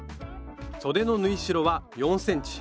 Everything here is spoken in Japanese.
そでの縫い代は４ｃｍ。